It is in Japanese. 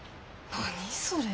何それ。